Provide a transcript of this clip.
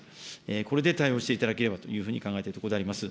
これで対応していただければと考えているところであります。